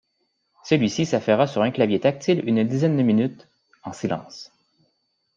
Celui-ci s’affaira sur un clavier tactile une dizaine de minutes, en silence.